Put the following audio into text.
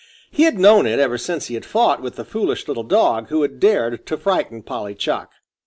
He had known it ever since he had fought with the foolish little dog who had dared to frighten Polly Chuck.